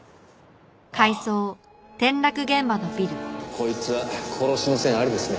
こいつは殺しの線ありですね。